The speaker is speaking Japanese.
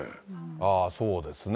ああ、そうですね。